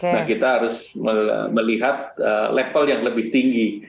nah kita harus melihat level yang lebih tinggi